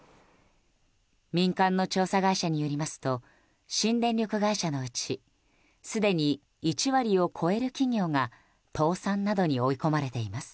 民間の調査会社によりますと新電力会社のうちすでに１割を超える企業が倒産などに追い込まれています。